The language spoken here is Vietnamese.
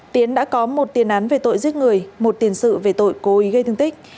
tiến đã có một tiền án về tội giết người một tiền sự về tội cố ý gây thương tích